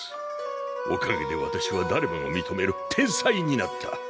おかげで私は誰もが認める天才になった。